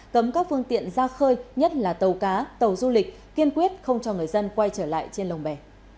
cấm các phương tiện ra khơi nhất là tàu cá tàu du lịch kiên quyết không cho người dân quay trở lại trên lồng bè